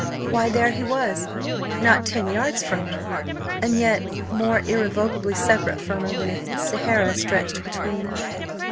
Why, there he was not ten yards from her and yet more irrevocably separate from her than if the Sahara stretched between them.